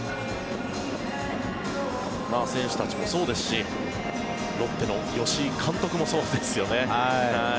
選手たちもそうですしロッテの吉井監督もそうですよね。